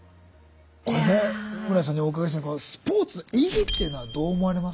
これね室屋さんにお伺いしたいのはスポーツの意義っていうのはどう思われますか。